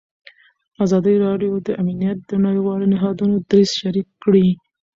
ازادي راډیو د امنیت د نړیوالو نهادونو دریځ شریک کړی.